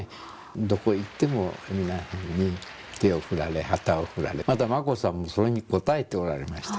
どこへ行ってもみんなに手を振られ旗を振られまた子さまもそれに応えておられました。